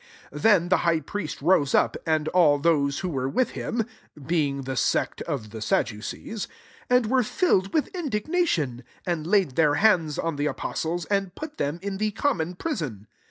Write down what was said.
17 Then the high priest rose \ip, and all those who were with him (being the sect of the Sadducees) and were filled with indignation ; 18 and laid [rA«r] bands on the apostles, and put them in the common prison.